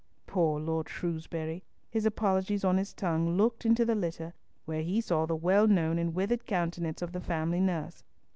Poor Lord Shrewsbury, his apologies on his tongue, looked into the litter, where he saw the well known and withered countenance of the family nurse.